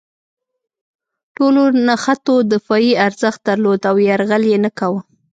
ټولو نښتو دفاعي ارزښت درلود او یرغل یې نه کاوه.